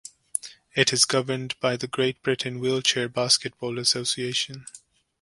It is governed by the Great Britain Wheelchair Basketball Association.